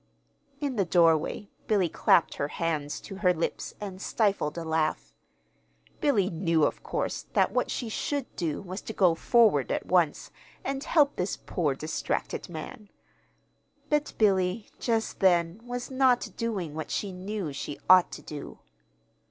In the doorway Billy clapped her hands to her lips and stifled a laugh. Billy knew, of course, that what she should do was to go forward at once, and help this poor, distracted man; but Billy, just then, was not doing what she knew she ought to do.